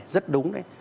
rất đúng đấy